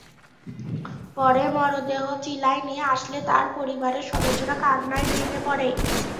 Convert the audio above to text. পরে মরদেহ চিলায় নিয়ে আসলে তার পরিবারের সদস্যরা কান্নায় ভেঙে পড়ে।